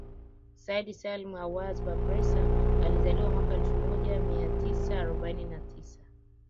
Said Salim Awadh Bakhresa alizaliwa mwaka elfu moja mia tisa arobaini na tisa